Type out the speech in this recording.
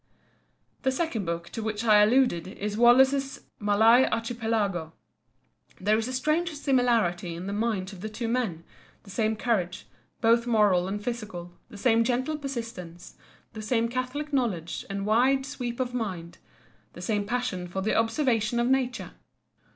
The second book to which I alluded is Wallace's "Malay Archipelago." There is a strange similarity in the minds of the two men, the same courage, both moral and physical, the same gentle persistence, the same catholic knowledge and wide. sweep of mind, the same passion for the observation of Nature.